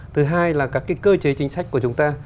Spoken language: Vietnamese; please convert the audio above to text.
thứ hai là các cái cơ chế chính sách của chúng ta